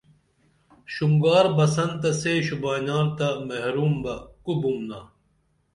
شونگار بسن تہ سے شوبائنار تہ محروم بہ کو بُمنا